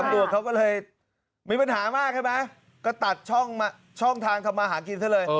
ตำรวจเขาก็เลยมีปัญหามากใช่ไหมก็ตัดช่องทางทำมาหากินซะเลย